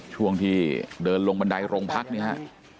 ช่วงที่เดินลงบันไดรงค์พักฯนะครับ